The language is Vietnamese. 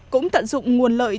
cũng tận dụng nguồn lợi